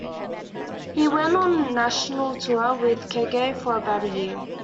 He went on a national tour with Keaggy for about a year.